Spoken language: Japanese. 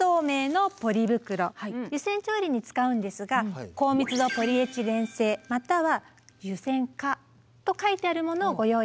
湯煎調理に使うんですが高密度ポリエチレン製または湯煎可と書いてあるものをご用意下さい。